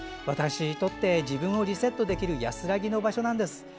私にとって自分をリセットできる安らぎの場所なんです。